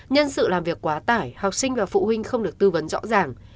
nhân sự làm việc quá tải học sinh và phụ huynh không được tư vấn rõ ràng